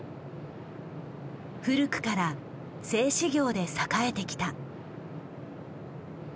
古くから製紙業で栄えてきた。